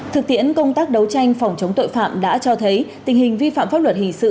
thực tiễn công tác đấu tranh phòng chống tội phạm đã cho thấy tình hình vi phạm pháp luật hình sự